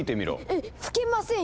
えっ吹けませんよ！